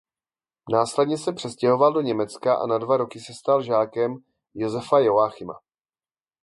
Následně se přestěhoval do Německa a na dva roky se stal žákem Josepha Joachima.